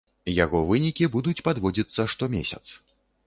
Яго вынікі будуць падводзіцца штомесяц.